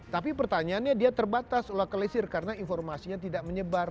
tapi pertanyaannya dia terbatas oleh kelisir karena informasinya tidak menyebar